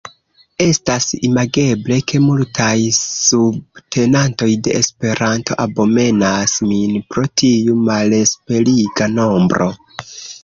Estas imageble, ke multaj subtenantoj de Esperanto abomenas min pro tiu malesperiga nombro.